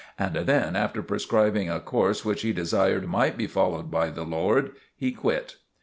and then after prescribing a course which he desired might be followed by the Lord, he quit."